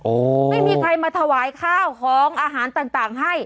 โอ้โหไม่มีใครมาถวายข้าวของอาหารต่างให้